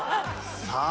さあ